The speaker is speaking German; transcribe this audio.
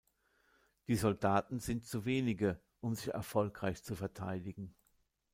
Die Soldaten sind zu wenige, um sich erfolgreich zu verteidigen.